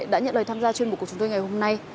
đã nhận lời tham gia chuyên mục của chúng tôi ngày hôm nay